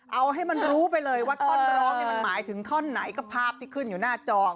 เอาให้มันรู้ไปเลยว่าท่อนร้องเนี่ยมันหมายถึงท่อนไหนก็ภาพที่ขึ้นอยู่หน้าจอ